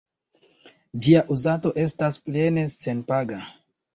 Ĝia uzado estas plene senpaga.